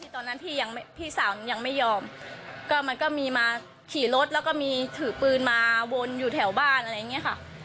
ตอนนั้นพี่ยังพี่สาวหนูยังไม่ยอมก็มันก็มีมาขี่รถแล้วก็มีถือปืนมาวนอยู่แถวบ้านอะไรอย่างนี้ค่ะ